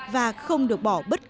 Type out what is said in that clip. và không được bỏ bài thi tổ hợp